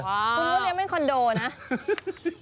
คุณก็เลี้ยงเป็นคอนโดนะ